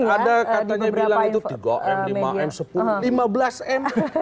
ada katanya bilang itu tiga m lima m sepuluh lima belas m